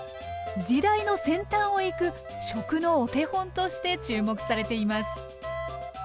時代の先端をいく食のお手本として注目されています